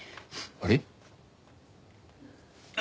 あれ？